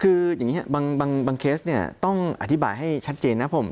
คืออย่างนี้บางเคสเนี่ยต้องอธิบายให้ชัดเจนนะผม